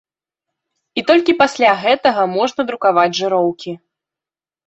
І толькі пасля гэтага можна друкаваць жыроўкі.